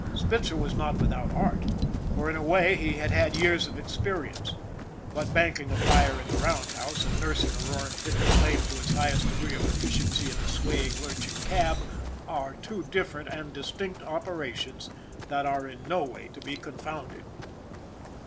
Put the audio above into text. Spitzer was not without art, for in a way he had had years of experience ; but banking a fire in the roundhouse, and nursing a roaring pit of flame to its highest degree of efficiency in a swaying, lurching cab, are two different and distinct operations that are in no way to be confounded.